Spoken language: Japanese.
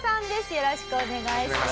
よろしくお願いします。